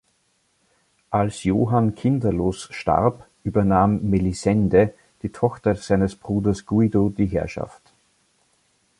Als Johann kinderlos starb, übernahm Melisende, die Tochter seines Bruders Guido, die Herrschaft.